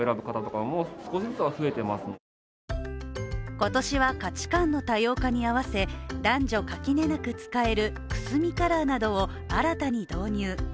今年は価値観の多様化に合わせ男女垣根なく使えるくすみカラーなどを新たに導入。